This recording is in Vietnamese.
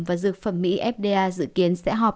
và dược phẩm mỹ fda dự kiến sẽ họp